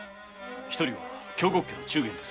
一人は京極家の中間です。